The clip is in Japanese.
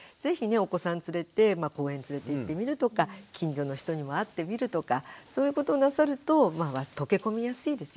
お子さん連れて公園連れて行ってみるとか近所の人にも会ってみるとかそういうことをなさると溶け込みやすいですよね。